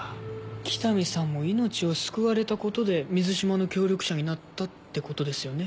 北見さんも命を救われたことで水島の協力者になったってことですよね？